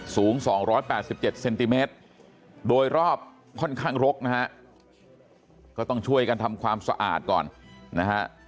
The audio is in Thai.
สูง๒๘๗เซนติเมตรโดยรอบค่อนข้างรกนะฮะก็ต้องช่วยกันทำความสะอาดก่อนนะฮะ